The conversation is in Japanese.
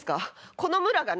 この村がね